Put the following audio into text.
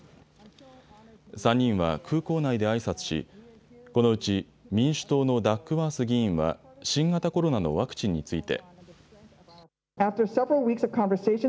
３人は空港内であいさつし、このうち民主党のダックワース議員は新型コロナのワクチンについて。